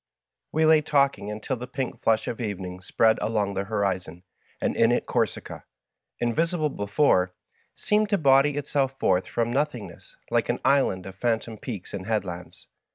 "We lay talking until the pink flush of evening spread ^ Digitized by VjOOQIC MY FASCINATING FRIEND. 139 along the horizon, and in it Corsica, invisible before, seemed to body itself forth from nothingness like an island of phantom peaks and headlands.